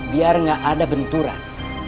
biar gak ada benturan